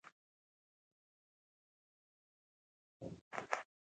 رسۍ له انسان سره له ډېر وخته شریکه ده.